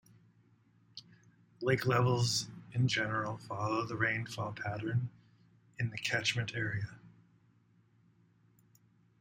Lake levels in general follow the rainfall pattern in the catchment area.